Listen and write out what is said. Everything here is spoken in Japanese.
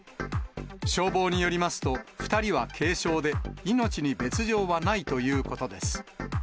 消防によりますと、２人は軽症で、命に別状はないということです。